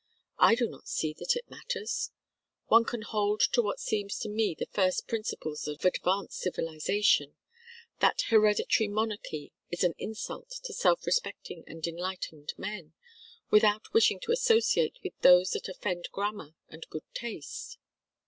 I do not see that it matters. One can hold to what seems to me the first principles of advanced civilization that hereditary monarchy is an insult to self respecting and enlightened men without wishing to associate with those that offend grammar and good taste.